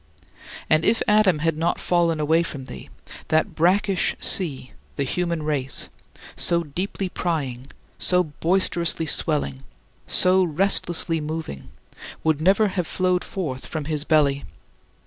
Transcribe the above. And if Adam had not fallen away from thee, that brackish sea the human race so deeply prying, so boisterously swelling, so restlessly moving, would never have flowed forth from his belly.